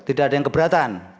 tidak ada yang keberatan